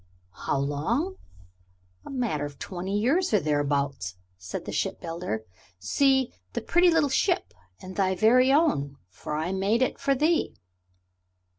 "How long? a matter of twenty years or thereabouts," said the ship builder. "See, the pretty little ship; and thy very own, for I made it for thee."